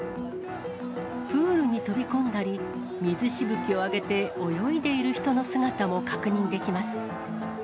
プールに飛び込んだり、水しぶきを上げて泳いでいる人の姿も確認できます。